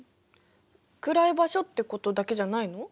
暗い場所ってことだけじゃないの？